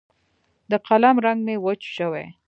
د قلم رنګ مې وچ شوی